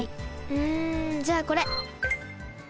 うんじゃあこれ。